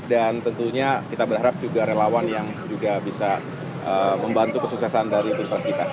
dan tentunya kita berharap juga relawan yang juga bisa membantu kesuksesan dari pilpres dika